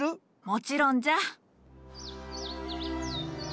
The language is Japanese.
もちろんじゃ。